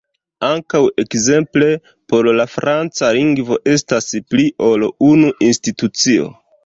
Ankaŭ ekzemple por la franca lingvo estas pli ol unu institucio.